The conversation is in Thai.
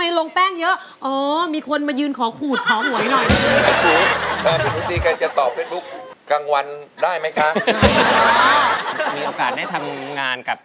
วันนี้ลาไปก่อนแล้วสวัสดีครับ